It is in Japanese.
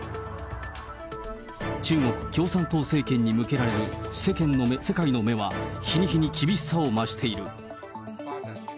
中国共産党政権に向けられる世界の目は、日に日に厳しさを増している。